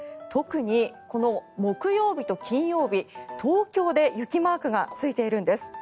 特にこの木曜日と金曜日東京で雪マークがついているんです。